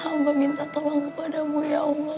hamba minta tolong kepadamu ya allah